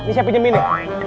ini siapa pinjam ini